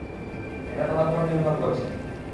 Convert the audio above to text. এটা তোমার উপর নির্ভর করছে।